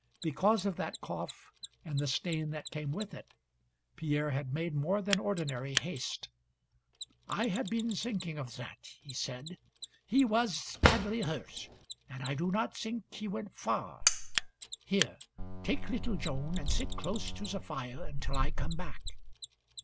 Because of that cough, and the stain that came with it, Pierre had made more than ordinary haste. "I have been thinking of that," he said. "He was badly hurt, and I do not think he went far. Here take little Joan and sit close to the fire until I come back."